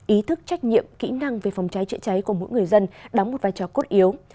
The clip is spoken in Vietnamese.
ý thức trách nhiệm kỹ năng về phòng cháy chữa cháy của mỗi người dân đóng một vai trò cốt yếu